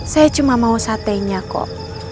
saya cuma mau satenya kok